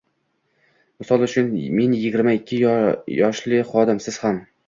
Misol uchun men yigirma ikki yoshli xodim, siz ham.